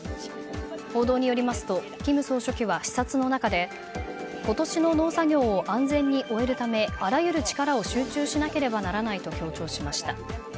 報道によりますと金総書記は視察の中で今年の農作業を安全に終えるためあらゆる力を集中しなければならないと強調しました。